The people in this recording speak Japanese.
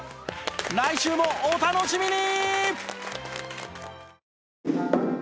来週もお楽しみに！